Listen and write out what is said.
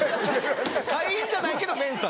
会員じゃないけどメンサ。